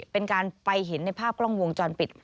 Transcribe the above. เป็นการไปเห็นในภาพกล้องวงจรปิด